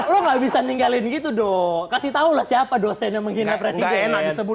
lu nggak bisa ninggalin gitu dong kasih tahu siapa dosen yang menghina presiden disebut